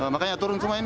makanya turun semua ini